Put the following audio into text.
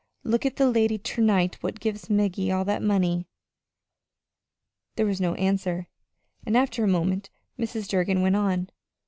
"Look at that lady ter night what give Maggie all that money." There was no answer, and after a moment Mrs. Durgin went on.